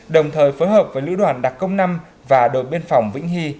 đồng thời phối hợp với lữ đoàn đặc công năm và đội biên phòng vĩnh hy